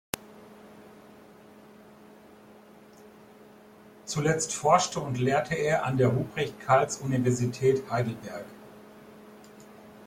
Zuletzt forschte und lehrte er an der Ruprecht-Karls-Universität Heidelberg.